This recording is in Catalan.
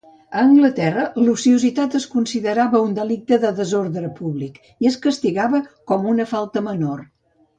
A Anglaterra, l'ociositat es considerava un delicte de desordre públic i es castigava com a una falta menor.